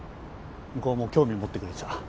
向こうも興味持ってくれてた。